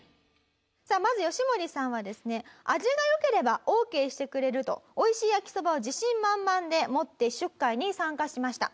さあまずヨシモリさんはですね味が良ければオーケーしてくれると美味しいやきそばを自信満々で持って試食会に参加しました。